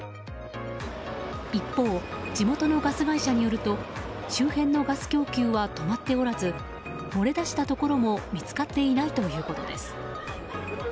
一方、地元のガス会社によると周辺のガス供給は止まっておらず漏れ出したところも見つかっていないということです。